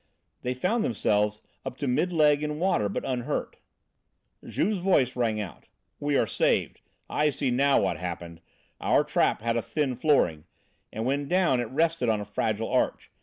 They found themselves up to mid leg in water, but unhurt. Juve's voice rang out: "We are saved! I see now what happened! Our trap had a thin flooring, and, when down, it rested on a fragile arch.